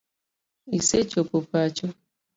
Isechopo pacho ?